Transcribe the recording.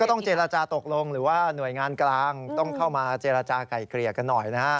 ต้องเจรจาตกลงหรือว่าหน่วยงานกลางต้องเข้ามาเจรจาก่ายเกลี่ยกันหน่อยนะฮะ